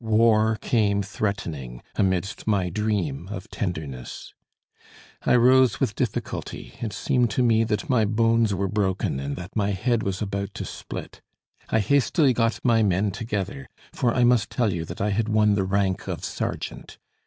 War came threatening, amidst my dream of tenderness. I rose with difficulty; it seemed to me that my bones were broken, and that my head was about to split. I hastily got my men together; for I must tell you that I had won the rank of sergeant.